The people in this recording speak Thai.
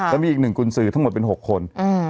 แล้วมีอีก๑กุญสือทั้งหมดเป็น๖คน